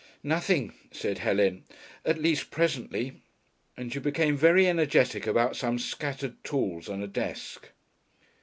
"Nothing," said Helen. "At least presently." And she became very energetic about some scattered tools on a desk.